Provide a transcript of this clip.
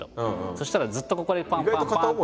そしたらずっとここでパンパンパン。